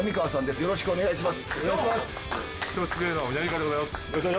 よろしくお願いします